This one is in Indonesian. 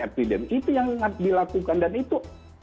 evidence itu yang dilakukan dan itu